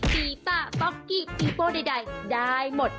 ได้ปุ๊บบ๊อจ